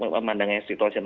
pandangannya situasi normal